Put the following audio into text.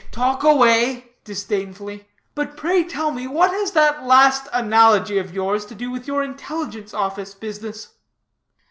"Talk away," disdainfully; "but pray tell me what has that last analogy of yours to do with your intelligence office business?"